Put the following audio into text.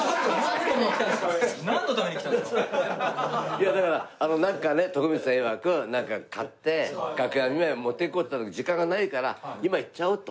いやだからなんかね徳光さんいわくなんか買って楽屋見舞い持っていこうってなったけど時間がないから今行っちゃおうと。